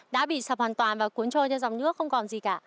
đá bị sập hoàn toàn và cuốn trôi theo dòng nước không còn gì cả